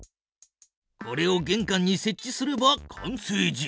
これをげんかんにせっ置すれば完成じゃ。